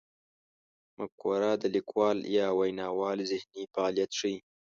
مفکوره د لیکوال یا ویناوال ذهني فعالیت ښيي.